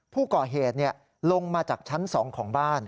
ผู้ก่อเหตุลงมาจากชั้น๒ของบ้าน